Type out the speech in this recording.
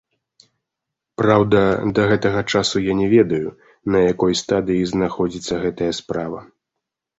Праўда, да гэтага часу я не ведаю, на якой стадыі знаходзіцца гэтая справа.